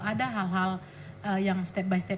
ada hal hal yang step by step